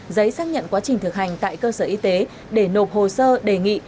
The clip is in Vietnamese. giấy xác nhận quá trình thực hành tại cơ sở y tế để nộp hồ sơ đề nghị